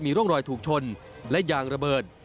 ร่องรอยถูกชนและยางระเบิด